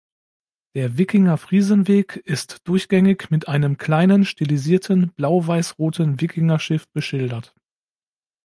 Der Wikinger-Friesen-Weg ist durchgängig mit einem kleinen stilisierten blau-weiß-roten Wikingerschiff beschildert.